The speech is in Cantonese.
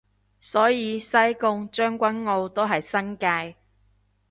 所以西貢將軍澳都係新界